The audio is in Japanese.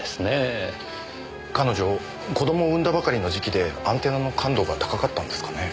彼女子供を産んだばかりの時期でアンテナの感度が高かったんですかね。